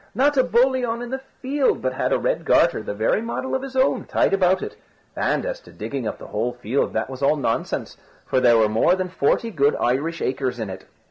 not a boliaun in the field but had a red garter, the very model of his own, tied about it; and as to digging up the whole field, that was all nonsense, for there were more than forty good Irish acres in it.